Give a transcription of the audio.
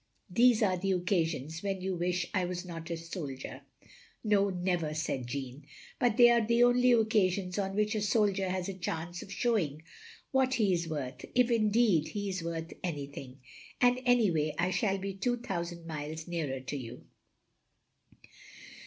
These are the occasions when you wish I was not a soldier " ("No, never," said Jeanne) ''but they are the only occasions on which a soldier has a chance of showing what he is worth, if indeed he is worth anything, and anyway I shall be two thousand miles nearer to you.